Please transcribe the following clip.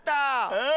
うん。